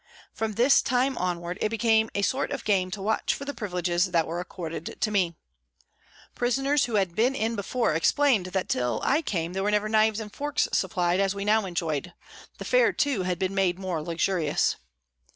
From this time onward it became a sort of game to watch for the privileges that were accorded to me. Prisoners who had been in before explained that until I came there were never knives SOME TYPES OF PRISONERS 123 and forks supplied as we now enjoyed, the fare, too, had been made more luxurious.